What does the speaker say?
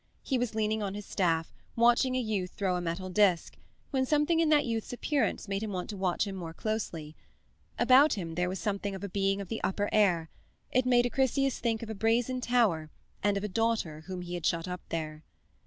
He was leaning on his staff, watching a youth throw a metal disk, when something in that youth's appearance made him want to watch him more closely. About him there was something of a being of the upper air; it made Acrisius think of a brazen tower and of a daughter whom he had shut up there.